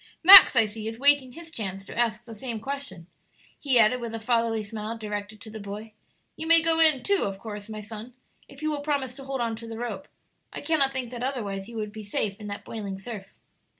Max, I see, is waiting his chance to ask the same question," he added, with a fatherly smile directed to the boy; "you may go in too, of course, my son, if you will promise to hold on to the rope. I cannot think that otherwise you would be safe in that boiling surf."